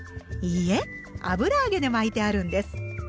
いいえ油揚げで巻いてあるんです。